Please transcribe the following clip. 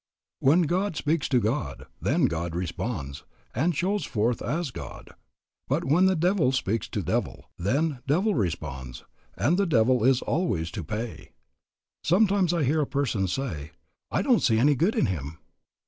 When God speaks to God, then God responds, and shows forth as God. But when devil speaks to devil, then devil responds, and the devil is always to pay. I sometimes hear a person say, "I don't see any good in him."